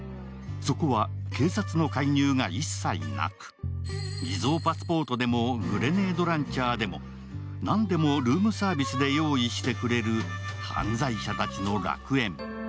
そこは警察の介入が一切なく偽造パスポートでもグレネードランチャーでも、なんでもルームサービスで用意してくれる犯罪者たちの楽園。